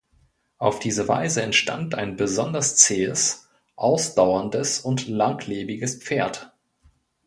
Auf diese Weise entstand ein besonders zähes, ausdauerndes und langlebiges Pferd.